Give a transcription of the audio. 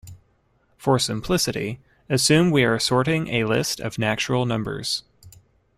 For simplicity, assume we are sorting a list of natural numbers.